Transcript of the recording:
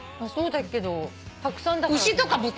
そうだけどたくさんだから。